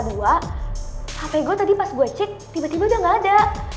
tapi gue tadi pas gue cek tiba tiba udah gak ada